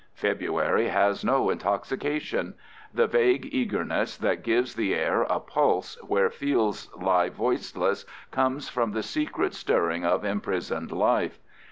February has no intoxication; the vague eagerness that gives the air a pulse where fields lie voiceless comes from the secret stirring of imprisoned life.